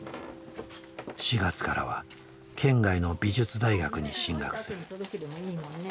４月からは県外の美術大学に進学する。